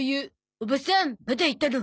おばさんまだいたの？